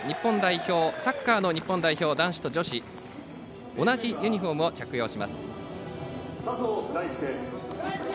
サッカーの日本代表男子と女子同じユニフォームを着用します。